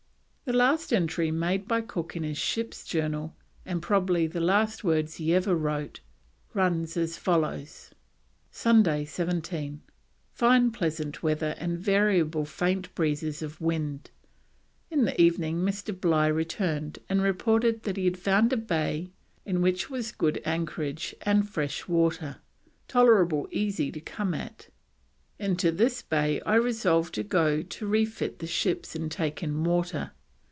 The last entry made by Cook in his Ship's Journal, and probably the last words he ever wrote, runs as follows: "Sunday 17. Fine pleasant weather and variable faint breezes of wind. In the evening Mr. Bligh returned and reported that he had found a bay in which was good anchorage and fresh water, tolerable easy to come at. Into this bay I resolved to go to refit the ships and take in water.